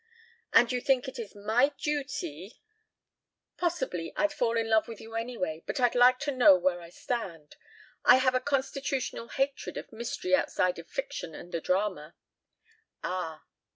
"And you think it is my duty ..." "Possibly I'd fall in love with you anyway, but I'd like to know where I stand. I have a constitutional hatred of mystery outside of fiction and the drama." "Ah."